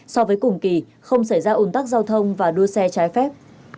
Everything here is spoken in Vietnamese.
so với cùng kỳ không xảy ra ồn tắc giao thông và đua xe trái phép